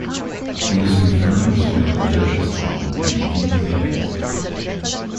He was confirmed as one of the judges on "Making the Band".